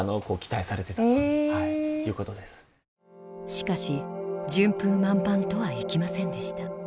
しかし順風満帆とはいきませんでした。